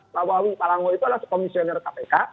lawawi palangwa itu adalah sekomisioner kpk